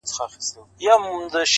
• پر خپل حال باندي یې وایستل شکرونه ,